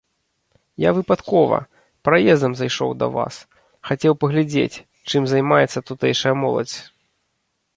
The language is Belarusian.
Я выпадкова, праездам зайшоў да вас, хацеў паглядзець, чым займаецца тутэйшая моладзь.